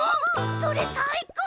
それさいこう！